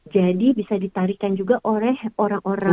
jadi bisa ditarikan juga oleh orang orang